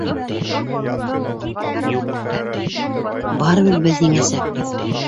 Барыбер беҙ еңәсәкбеҙ.